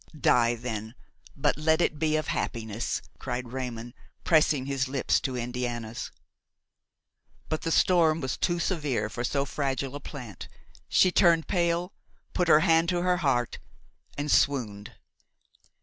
"Die, then, but let it be of happiness!" cried Raymon, pressing his lips to Indiana's. But the storm was too severe for so fragile a plant; she turned pale, put her hand to her heart and swooned.